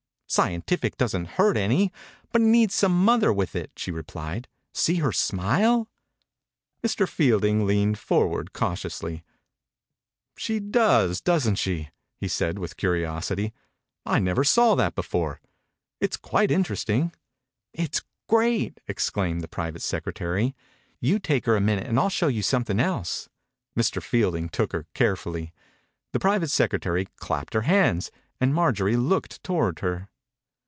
«< Scientific' doesn't hurt any, but it needs some mother with it," she replied. « See her smile I " Mr. Fielding leaned forward cautiously. « She does, doesn't she ?" he said, with curiosity. " I never 6i THE INCUBATOR BABY saw that before. It is quite in teresting." "It's great!" exclaimed the private secretary. "You take her a minute and FU show you something else." Mr. Fielding took her, care fully. The private secretary clapped her hands and Maijorie looked toward her.